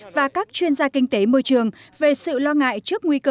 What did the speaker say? và các chuyên gia kinh tế môi trường về sự lo ngại trước nguy cơ